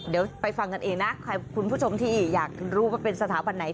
เดี๋ยวไปฟังกันเองนะใครคุณผู้ชมที่อยากรู้ว่าเป็นสถาบันไหน